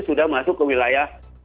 sudah masuk ke wilayah